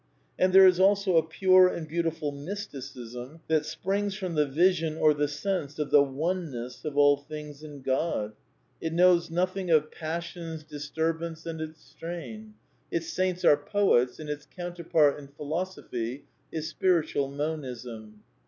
And there is also a pure and beautiful Mysticism that springs from the vision or the sense of the " Oneness '^ of all things in Qod. It knows nothing of passion's dis xfi INTEODUCTION tnrbance and its straiiu Its saints are poets and its counterpart in Philosophy is Spiritual Monism.